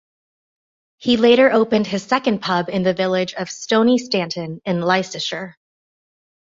He later opened his second pub in the village of Stoney Stanton in Leicestershire.